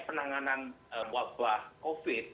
penanganan wabah covid